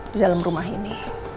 di dalam rumah ini